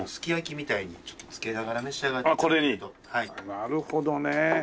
なるほどね。